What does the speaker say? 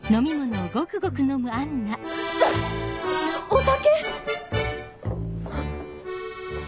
お酒⁉